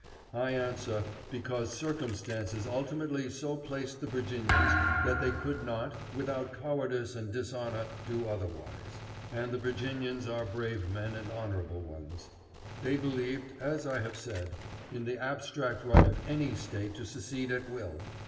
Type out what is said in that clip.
I answer, because circumstances ultimately so placed the Virginians that they could not, without cowardice and dishonor, do otherwise; and the Virginians are brave men and honorable ones. They believed, as I have said, in the abstract right of any State to secede at will.